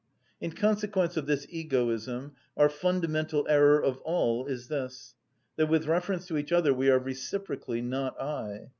In consequence of this egoism our fundamental error of all is this, that with reference to each other we are reciprocally not I.